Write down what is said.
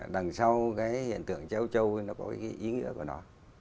đằng sau hiện tượng treo trâu có ý nghĩa của nó